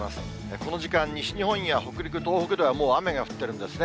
この時間、西日本や北陸、東北ではもう雨が降ってるんですね。